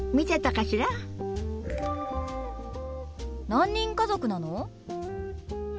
何人家族なの？